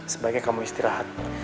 sebaiknya kamu istirahat